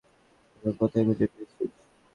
এসব কোথায় খুঁজে পেয়েছিস?